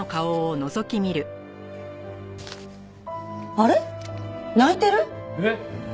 あれっ？泣いてる？えっ？